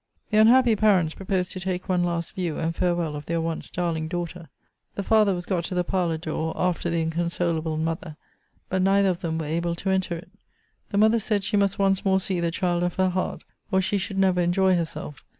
The unhappy parents proposed to take one last view and farewell of their once darling daughter. The father was got to the parlour door, after the inconsolable mother: but neither of them were able to enter it. The mother said she must once more see the child of her heart, or she should never enjoy herself.